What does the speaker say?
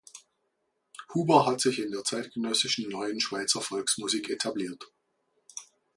Huber hat sich in der zeitgenössischen Neuen Schweizer Volksmusik etabliert.